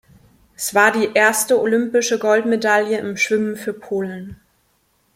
Es war die erste olympische Goldmedaille im Schwimmen für Polen.